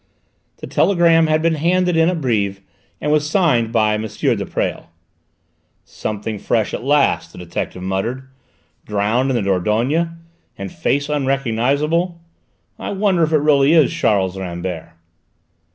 The telegram had been handed in at Brives and was signed by M. de Presles. "Something fresh at last," the detective muttered. "Drowned in the Dordogne, and face unrecognisable! I wonder if it really is Charles Rambert?"